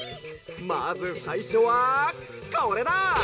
「まずさいしょはこれだ！